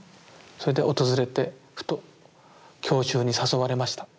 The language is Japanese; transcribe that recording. それで訪れてふと郷愁に誘われました。